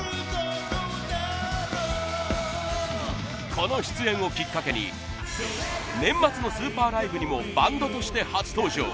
この出演をきっかけに年末のＳＵＰＥＲＬＩＶＥにもバンドとして初登場。